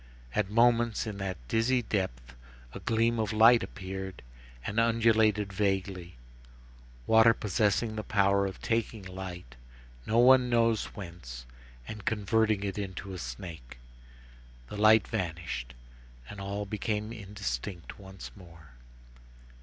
At moments, in that dizzy depth, a gleam of light appeared, and undulated vaguely, water possessing the power of taking light, no one knows whence, and converting it into a snake. The light vanished, and all became indistinct once more.